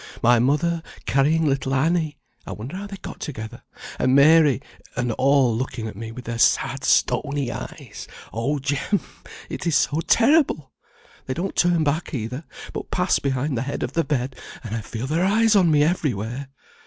My mother, carrying little Annie (I wonder how they got together) and Mary and all looking at me with their sad, stony eyes; oh Jem! it is so terrible! They don't turn back either, but pass behind the head of the bed, and I feel their eyes on me everywhere.